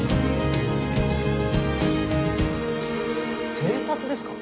偵察ですか？